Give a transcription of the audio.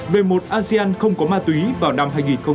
về một asean không có ma túy vào năm hai nghìn một mươi năm